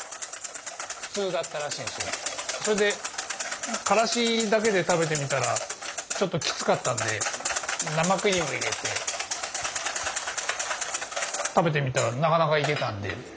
それでからしだけで食べてみたらちょっときつかったんで生クリーム入れて食べてみたらなかなかいけたんで。